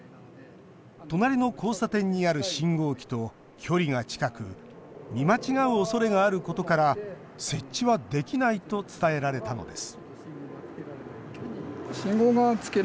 隣の交差点にある信号機と距離が近く見間違うおそれがあることから設置はできないと伝えられたのです